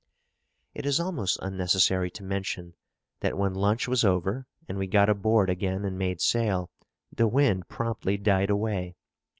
It is almost unnecessary to mention that when lunch was over and we got aboard again and made sail, the wind promptly died away.